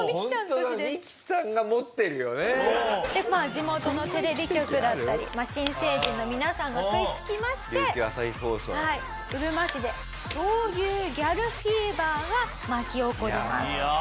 でまあ地元のテレビ局だったり新成人の皆さんが食いつきましてうるま市で闘牛ギャルフィーバーが巻き起こります。